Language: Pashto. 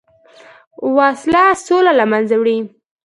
وسله سوله له منځه وړي